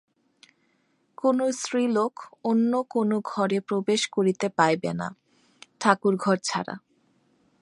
কোন স্ত্রীলোক অন্য কোন ঘরে প্রবেশ করিতে পাইবে না, ঠাকুরঘর ছাড়া।